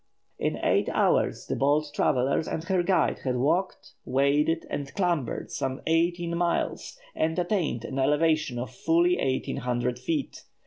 In eight hours the bold traveller and her guide had walked, waded, and clambered some eighteen miles, and attained an elevation of fully eighteen hundred feet.